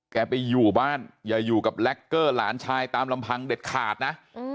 แกไปอยู่บ้านอย่าอยู่กับแล็กเกอร์หลานชายตามลำพังเด็ดขาดนะ